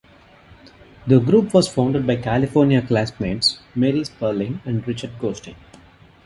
The group was founded by California classmates Mary Sperling and Richard Gosting.